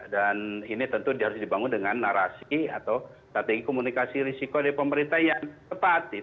dan ini tentu harus dibangun dengan narasi atau strategi komunikasi risiko dari pemerintah yang tepat